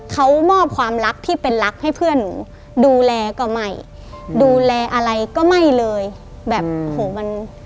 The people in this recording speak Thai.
เขามอบความรักที่เป็นรักให้เพื่อนหนูดูแลก็ไม่ดูแลอะไรก็ไม่เลยแบบโหมัน